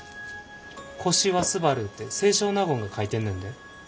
「星はすばる」って清少納言が書いてんねんで。